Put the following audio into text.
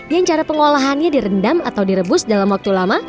yang cara pengolahannya direndam atau direbus dalam waktu lama